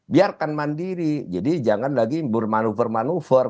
biarkan mandiri jadi jangan lagi bermanuver manuver